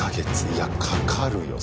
いやかかるよ